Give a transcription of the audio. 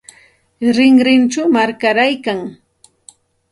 Rinrinchaw warkaraykan.